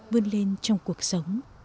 vươn lên trong cuộc sống